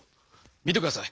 見てください